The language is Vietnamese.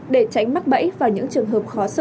để tránh mắc bẫy vào những trường hợp khó sơ